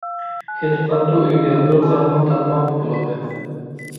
كېتىپ قاپتۇ ئۆيىگە، بىر قارماق تاپماق بولۇپ.